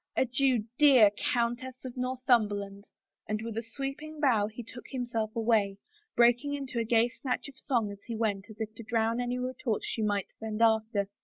Adieu, dear Countess of Northumberland," and with a sweeping bow he took himself away, breaking into a gay snatch of song as he went as if to drown any retort she might send after.